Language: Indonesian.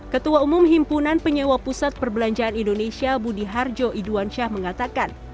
ketua umum himpunan penyewa pusat perbelanjaan indonesia budi harjo iduansyah mengatakan